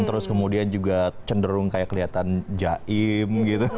terus cenderung kelihatan jaim